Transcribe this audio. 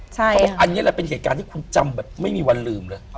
ใช่ค่ะเขาก็บอกว่าอันนี้แหละเป็นการที่คุณจำแบบไม่มีวันลืมหรือ